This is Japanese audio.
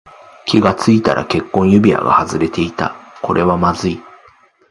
気がついたら結婚指輪が外れていた。これはまずい。